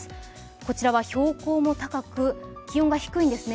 こちらは標高も高く気温が低いんですね。